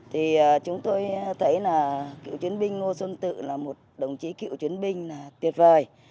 thì chúng tôi thấy là cựu chiến binh ngô xuân tự là một đồng chí cựu chiến binh tuyệt vời